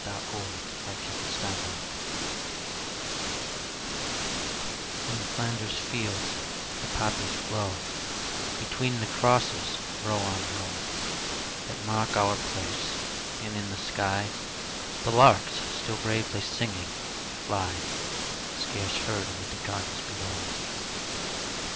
A. L.} IN FLANDERS FIELDS In Flanders fields the poppies grow Between the crosses, row on row That mark our place: and in the sky The larks still bravely singing, fly Scarce heard amid the guns below.